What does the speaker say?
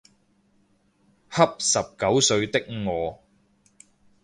恰十九歲的我